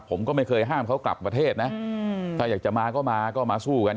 ผมก็ไม่เคยห้ามเขากลับประเทศนะถ้าอยากจะมาก็มาก็มาสู้กัน